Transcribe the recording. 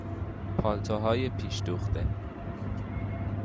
پالتوهای پیش دوخته